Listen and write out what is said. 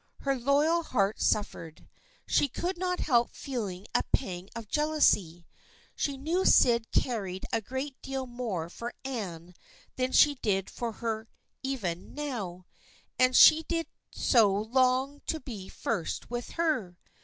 Her loyal heart suffered. She could not help feeling a pang of jealousy. She knew Sydney cared a great deal more for Anne than she did for her even now, and she did so long to be first with her.